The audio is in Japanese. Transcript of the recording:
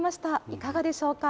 いかがでしょうか。